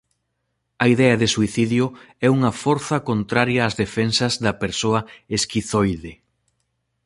A idea de suicidio é unha forza contraria ás defensas da persoa esquizoide.